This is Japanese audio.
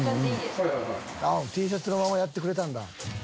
Ｔシャツのままやってくれたんだ。